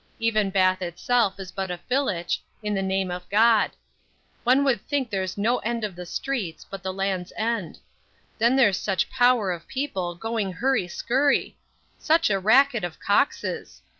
Even Bath itself is but a fillitch, in the naam of God One would think there's no end of the streets, but the land's end. Then there's such a power of people, going hurry skurry! Such a racket of coxes!